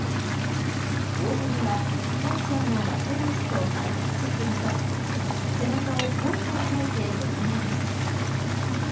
大谷は、キャッチャーのマット・タイスとハイタッチすると背中をポンとはたいてねぎらいます。